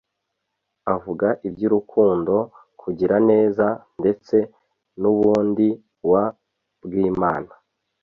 avuga iby'urukundo, kugira neza, ndetse n'ubundiW bw'Imana.